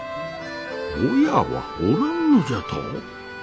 親はおらんのじゃと？